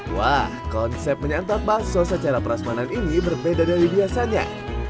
wah konsep menyantap bakso secara prasmanan ini berbeda dari biasanya